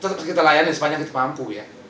tetap kita layani supaya kita mampu ya